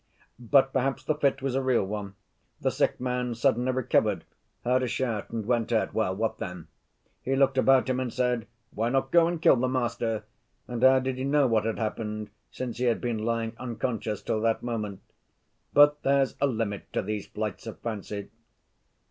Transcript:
"But, perhaps, the fit was a real one, the sick man suddenly recovered, heard a shout, and went out. Well—what then? He looked about him and said, 'Why not go and kill the master?' And how did he know what had happened, since he had been lying unconscious till that moment? But there's a limit to these flights of fancy.